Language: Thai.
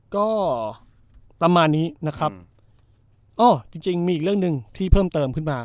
ก็ประมาณนี้นะครับก็จริงจริงมีอีกเรื่องหนึ่งที่เพิ่มเติมขึ้นมา